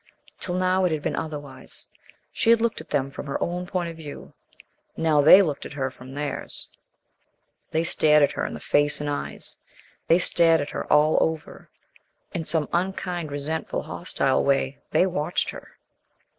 Till now it had been otherwise: she had looked at them from her own point of view; now they looked at her from theirs. They stared her in the face and eyes; they stared at her all over. In some unkind, resentful, hostile way, they watched her.